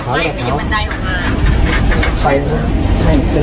ไฟมันได้ออกมา